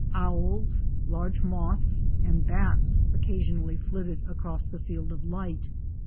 Owls, large moths and bats occasionally flitted across the field of light.